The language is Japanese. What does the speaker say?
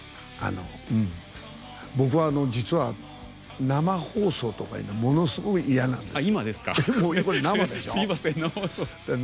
僕は実は、生放送というのはものすごく嫌なんですよ。